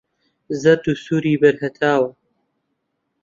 زەرد و سووری بەر هەتاوە